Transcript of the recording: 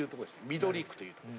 緑区という。